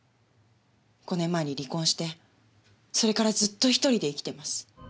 ５年前に離婚してそれからずっと１人で生きてます。